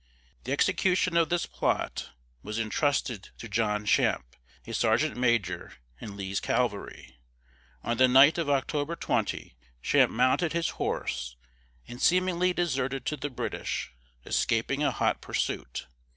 The execution of this plot was intrusted to John Champe, a sergeant major in Lee's cavalry. On the night of October 20, Champe mounted his horse and seemingly deserted to the British, escaping a hot pursuit.